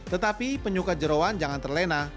tetapi penyuka jerawan jangan terlena